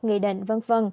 nghị định v v